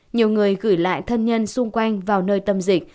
nhiều người gửi lại thân nhân xung quanh vào nơi tâm dịch